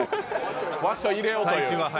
わっしょいを入れようという。